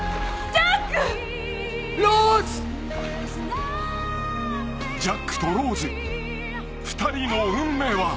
［ジャックとローズ２人の運命は！？］